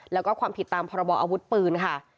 แล้วก็ความผิดตามพรบออาวุธปืนค่ะ